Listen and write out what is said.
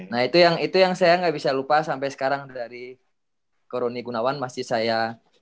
nah itu yang saya gak bisa lupa sampai sekarang dari koroni gunawan masih saya